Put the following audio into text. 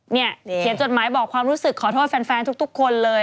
เขียนจดหมายบอกความรู้สึกขอโทษแฟนทุกคนเลย